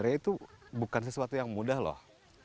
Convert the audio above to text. ya itu bukan sesuatu yang mudah loh